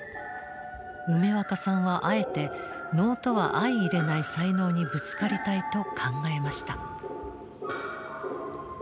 梅若さんはあえて能とは相いれない才能にぶつかりたいと考えました。